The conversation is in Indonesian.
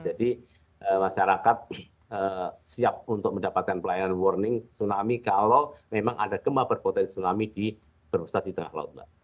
jadi masyarakat siap untuk mendapatkan pelayanan warning tsunami kalau memang ada gempa berpotensi tsunami di perusahaan di tengah laut mbak